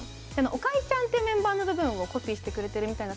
岡井ちゃんっていうメンバーの部分をコピーしてくれてる。